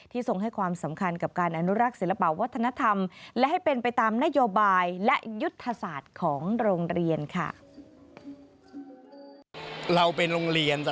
ทรงให้ความสำคัญกับการอนุรักษ์ศิลปะวัฒนธรรมและให้เป็นไปตามนโยบายและยุทธศาสตร์ของโรงเรียนค่ะ